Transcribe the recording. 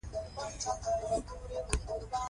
که ښځه زده کړه ولري، نو د مالي خپلواکۍ احساس کوي.